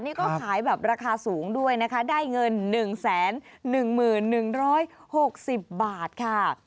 นี่ก็ขายแบบราคาสูงด้วยนะคะได้เงิน๑๑๑๖๐บาทค่ะ